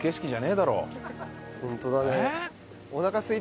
ホントだね。